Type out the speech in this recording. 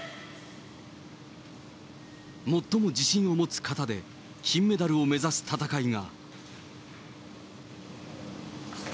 最も自信を持つ形で、金メダルを目指す戦いが。